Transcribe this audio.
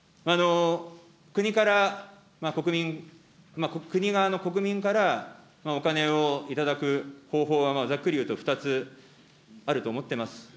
国から国民、国が国民からお金を頂く方法はざっくり言うと２つあると思ってます。